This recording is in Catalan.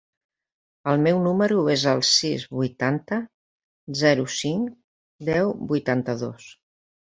El meu número es el sis, vuitanta, zero, cinc, deu, vuitanta-dos.